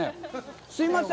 すいません。